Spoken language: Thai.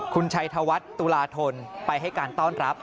คุณชัยธวัฒน์ตุลาธนไปให้การต้อนรับ